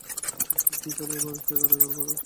বুঝলেন কী করে তার বয়স এগার-বার?